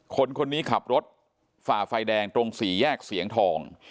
คนนี้ขับรถฝ่าไฟแดงตรงสี่แยกเสียงทอง